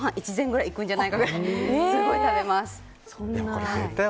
１膳ぐらいいくんじゃないかぐらいすごい食べます。